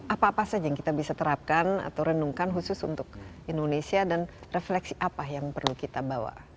apa apa saja yang kita bisa terapkan atau renungkan khusus untuk indonesia dan refleksi apa yang perlu kita bawa